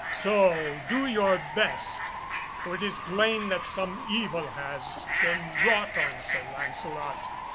So do your best, for it is plain that some evil has been wrought on Sir Lancelot."